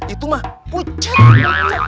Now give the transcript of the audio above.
itu mah pucat